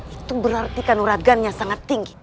itu berartikan uragannya sangat tinggi